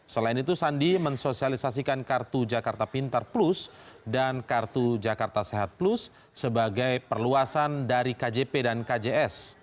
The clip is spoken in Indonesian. selain itu sandi mensosialisasikan kartu jakarta pintar plus dan kartu jakarta sehat plus sebagai perluasan dari kjp dan kjs